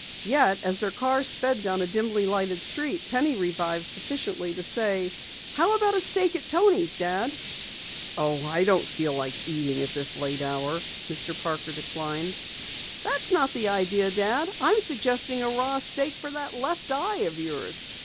Yet as their car sped down a dimly lighted street, Penny revived sufficiently to say: "How about a steak at Toni's, Dad?" "Oh, I don't feel like eating at this late hour," Mr. Parker declined. "That's not the idea, Dad. I'm suggesting a raw steak for that left eye of yours.